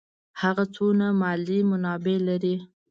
هغه څونه مالي منابع لري.